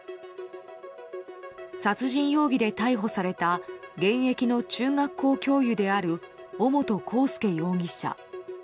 殺人容疑で逮捕された現役の中学校教諭である尾本幸祐容疑者。